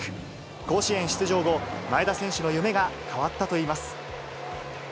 甲子園出場後、前田選手の夢が変わったといいます。